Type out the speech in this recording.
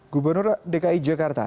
gubernur dki jakarta anies baswedan berkata